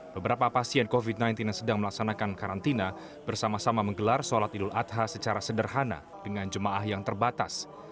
beberapa pasien covid sembilan belas yang sedang melaksanakan karantina bersama sama menggelar sholat idul adha secara sederhana dengan jemaah yang terbatas